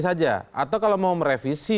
saja atau kalau mau merevisi